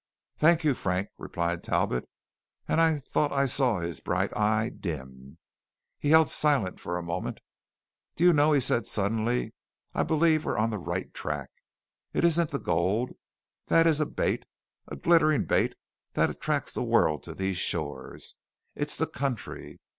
"Thank you, Frank," replied Talbot, and I thought I saw his bright eye dim. He held silent for a moment. "Do you know," he said suddenly, "I believe we're on the right track. It isn't the gold. That is a bait, a glittering bait, that attracts the world to these shores. It's the country.